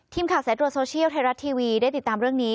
ทีมข่าวแสดงโดยโซเชียลไทยรัฐทีวีได้ติดตามเรื่องนี้